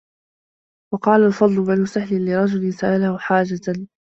وَقَالَ الْفَضْلُ بْنُ سَهْلٍ لِرَجُلٍ سَأَلَهُ حَاجَةً